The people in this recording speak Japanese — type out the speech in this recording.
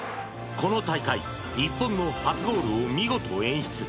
この大会日本の初ゴールを見事演出